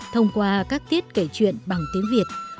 thông qua các tiết kể chuyện bằng tiếng việt